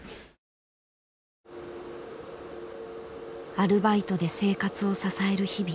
アルバイトで生活を支える日々。